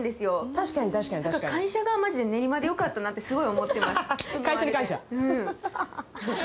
確かに確かに確かに会社がマジで練馬でよかったなってすごい思ってます